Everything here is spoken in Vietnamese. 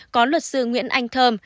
có luật sư nguyễn anh thơm